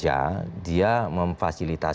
jadi dia tidak bisa memperbaiki peraturan